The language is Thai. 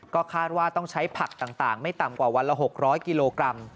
ก็คาดว่าต้องใช้ผักต่างไม่ต่ำกว่าวันละ๖๐๐กิโลกรัม